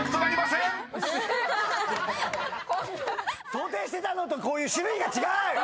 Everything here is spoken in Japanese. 想定してたのとこういう種類が違う！